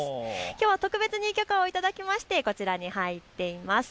きょうは特別に許可をいただいてこちらに入っています。